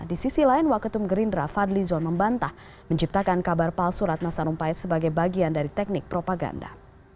di sisi lain waketum gerindra fadli zon membantah menciptakan kabar palsu ratna sarumpait sebagai bagian dari teknik propaganda